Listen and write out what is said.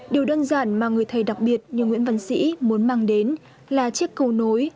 điều đơn giản mà người thầy đặc biệt như nguyễn văn sĩ muốn mang đến là chiếc cầu nối